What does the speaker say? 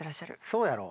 そうやろ？